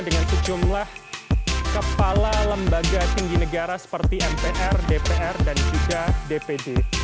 dengan sejumlah kepala lembaga tinggi negara seperti mpr dpr dan juga dpd